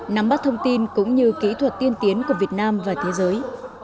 nắm bắt thông tin cũng như kỹ thuật tiên tiến của việt nam và thế giới